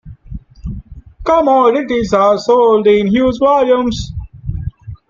Commodities are sold in huge volumes.